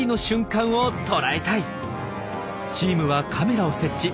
チームはカメラを設置。